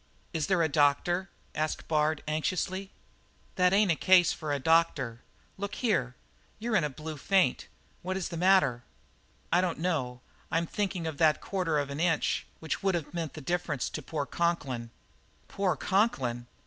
"Is there a doctor?" asked Bard anxiously. "That ain't a case for a doctor look here; you're in a blue faint. What is the matter?" "I don't know; I'm thinking of that quarter of an inch which would have meant the difference to poor Conklin." "'Poor' Conklin?